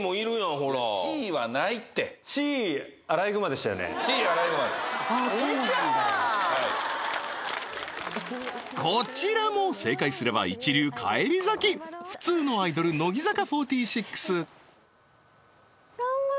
ほらこちらも正解すれば一流返り咲き普通のアイドル乃木坂４６